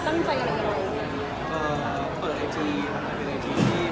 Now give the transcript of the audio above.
อันนี้คือเรามีถูกผลักษมะตั้งใจอะไร